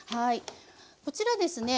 こちらですね